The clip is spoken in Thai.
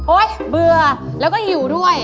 เบื่อแล้วก็หิวด้วย